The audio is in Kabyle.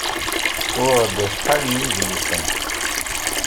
Uɣeɣ-d acḥal n yidlisen.